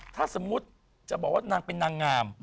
ถ้าสมมุติจะบอกว่านางเป็นนางงาม